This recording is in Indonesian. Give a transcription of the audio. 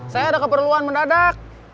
saya ada keperluan mendadak